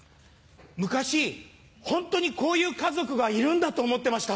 昔ホントにこういう家族がいるんだと思ってました。